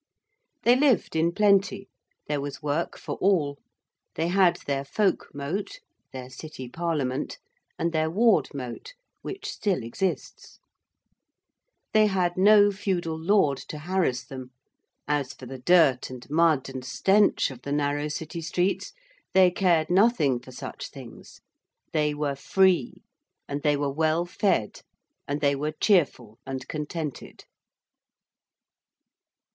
They lived in plenty: there was work for all: they had their folk mote their City parliament and their ward mote which still exists: they had no feudal lord to harass them: as for the dirt and mud and stench of the narrow City streets, they cared nothing for such things. They were free: and they were well fed: and they were cheerful and contented.